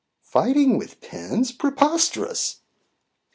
"Fighting with pens! Preposterous!"